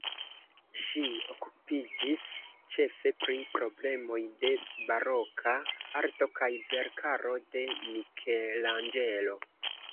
Ŝi okupiĝis ĉefe pri problemoj de baroka arto kaj verkaro de Mikelanĝelo.